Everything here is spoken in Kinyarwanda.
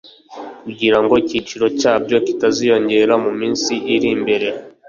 kugirango igiciro cyabyo kitaziyongera mu minsi iri mbere.